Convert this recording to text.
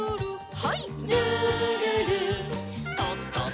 はい。